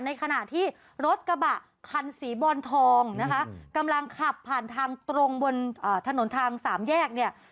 ในขณะที่รถกระบะคันสีบอลทองนะคะกำลังขับผ่านทางตรงบนถนนทางสามแยกเนี่ย